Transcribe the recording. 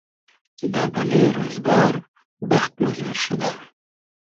دۂ بئلې رۉزگار بئخت مۉ زۉر شودۂ